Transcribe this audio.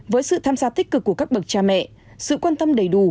với sự tham gia tích cực của các bậc cha mẹ sự quan tâm đầy đủ